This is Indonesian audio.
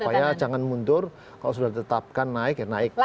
supaya jangan mundur kalau sudah ditetapkan naik ya naik